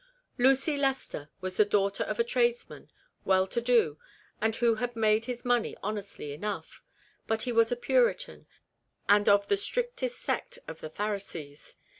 Lucy Lester was the daughter of a trades man, well to do, and who had made his money honestly enough ; but he was a puritan, and of the strictest sect of the Pharisees.